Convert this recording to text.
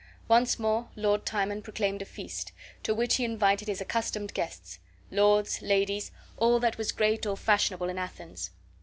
Once more Lord Timon proclaimed a feast, to which he invited his accustomed guests lords, ladies, all that was great or fashionable in Athens.